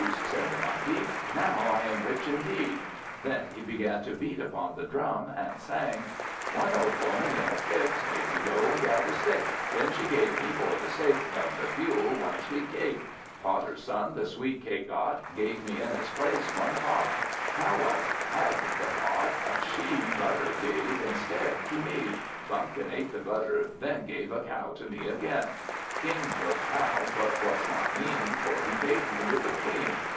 said the Monkey. "Now I am rich indeed!" Then he began to beat upon the drum, and sang: "One old Woman, in a fix, Made me go and gather sticks; Then she gave me, for the sake Of the fuel, one sweet cake. Potter's son the sweet cake got, Gave me in its place, one pot. Cow wife had the pot, and she Butter gave instead to me. Bumpkin ate the butter, then Gave a cow to me again. King took cow, but was not mean, For he paid me with a Queen.